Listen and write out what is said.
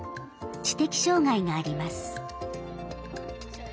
知的障害があります。